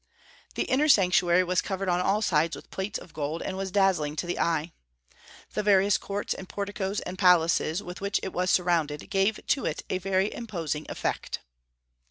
The inner sanctuary was covered on all sides with plates of gold, and was dazzling to the eye. The various courts and porticos and palaces with which it was surrounded gave to it a very imposing effect.